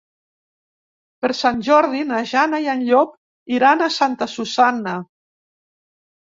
Per Sant Jordi na Jana i en Llop iran a Santa Susanna.